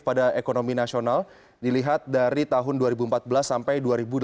pada ekonomi nasional dilihat dari tahun dua ribu empat belas sampai dua ribu delapan belas